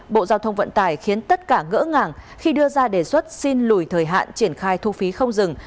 bộ giao thông vận tải khiến tất cả ngỡ ngàng khi đưa ra đề xuất xin lùi thời hạn triển khai thu phí không dừng